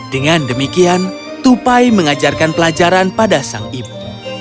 dengan demikian tupai mengajarkan pelajaran pada sang ibu